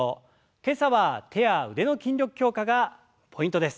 今朝は手や腕の筋力強化がポイントです。